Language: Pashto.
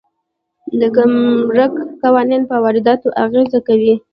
د ګمرک قوانین په وارداتو اغېز کوي.